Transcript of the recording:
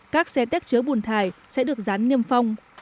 các xe téc chứa bùn thải sẽ được rán niêm phong